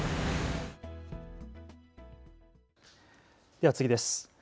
では次です。